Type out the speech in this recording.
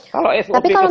kalau sop ke sekolah